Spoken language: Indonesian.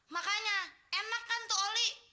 makanya enak kan tuh oli